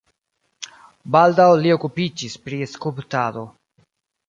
Baldaŭ li okupiĝis pri skulptado.